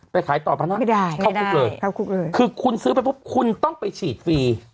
ไปขายต่อพนักเข้าคุกเลยคือคุณซื้อไปต้องไปฉีดฟรี